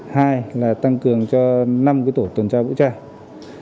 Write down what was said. hai là tăng cường cho năm tổ tuần tra vũ trang